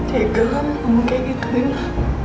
ya gelap kamu kayak gitu nino